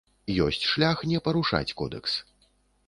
Ёсць шлях не парушаць кодэкс.